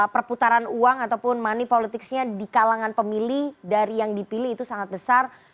perputaran uang ataupun money politicsnya di kalangan pemilih dari yang dipilih itu sangat besar